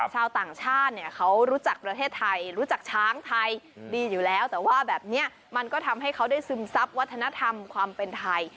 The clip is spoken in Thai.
ชาวต่างชาติเนี่ยเขารู้จักประเทศไทยรู้จักช้างไทยดีอยู่แล้วแต่ว่าแบบนี้มันก็ทำให้เขาได้ซึมซับวัฒนธรรมความเป็นไทย